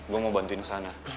gue mau bantuin kesana ya